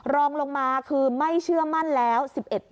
รองลงมาคือไม่เชื่อมั่นแล้ว๑๑